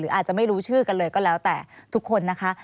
อาจจะไม่รู้ชื่อกันเลยก็แล้วแต่ทุกคนนะคะ